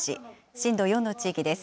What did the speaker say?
震度４の地域です。